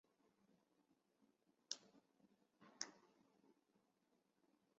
春日町为爱知县西部西春日井郡的町。